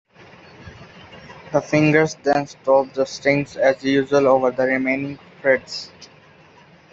The fingers then stop the strings as usual over the remaining frets.